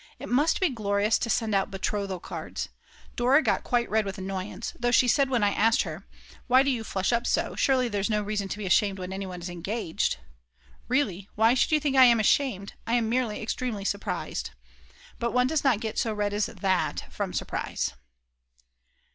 It must be glorious to send out betrothal cards. Dora got quite red with annoyance, though she said when I asked her: "Why do you flush up so, surely there's no reason to be ashamed when anyone is engaged!" "Really, why should you think I am ashamed, I am merely extremely surprised." But one does not get so red as that from surprise.